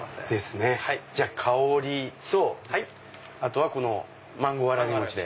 じゃあ香とあとはマンゴーわらび餅で。